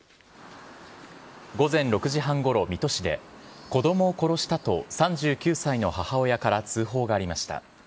午前６時半ごろ、水戸市で、子どもを殺したと、３９歳の母親から通報がありました。